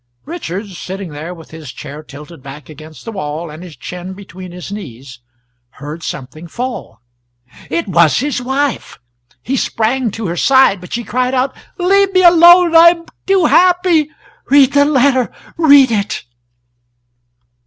Richards, sitting there with his chair tilted back against the wall and his chin between his knees, heard something fall. It was his wife. He sprang to her side, but she cried out: "Leave me alone, I am too happy. Read the letter read it!"